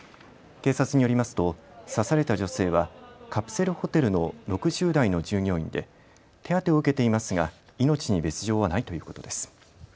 警察によりますと刺された女性はカプセルホテルの６０代の従業員で手当てを受けていますが命に別状はないということです。